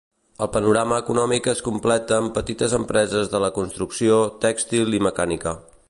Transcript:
El panorama econòmic es completa amb petites empreses de la construcció, tèxtil i mecànica.